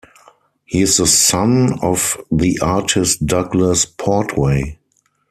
He is the son of the artist Douglas Portway.